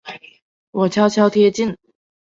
我悄悄贴近